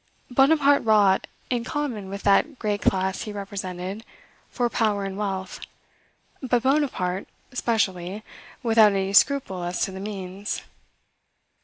Bonaparte wrought, in common with that great class he represented, for power and wealth, but Bonaparte, specially, without any scruple as to the means.